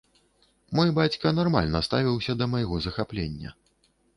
Мой бацька нармальна ставіўся да майго захаплення.